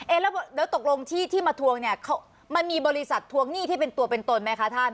แล้วตกลงที่ที่มาทวงเนี่ยมันมีบริษัททวงหนี้ที่เป็นตัวเป็นตนไหมคะท่าน